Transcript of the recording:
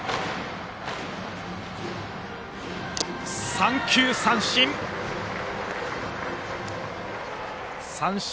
三球三振！